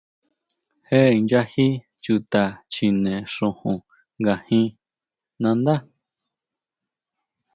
¿Jé inchají chuta chjine xujun ngajin nandá?